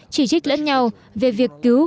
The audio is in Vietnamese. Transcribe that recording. chỉ trích lẫn nhau về việc cứu